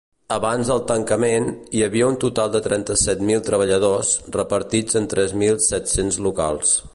Abans del tancament, hi havia un total de trenta-set mil treballadors, repartits en tres mil set-cents locals.